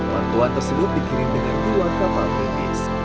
bantuan terselup dikirim dengan dua kapal bis